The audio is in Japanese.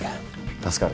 助かる。